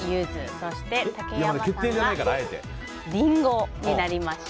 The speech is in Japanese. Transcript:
そして、竹山さんがリンゴになりました。